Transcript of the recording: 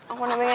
aku nebeng ya